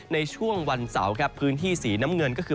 ในช่วงวันเสาร์ครับพื้นที่สีน้ำเงินก็คือ